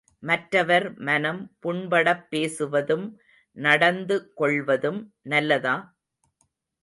மற்றவர் மனம் புண்படப்பேசுவதும் நடந்து கொள்வதும் நல்லதா?